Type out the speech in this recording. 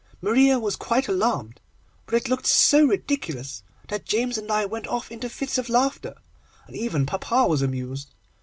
Maria was quite alarmed, but it looked so ridiculous, that James and I went off into fits of laughter, and even papa was amused.